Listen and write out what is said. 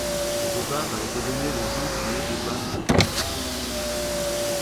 Le départ a été donné le janvier de Paris.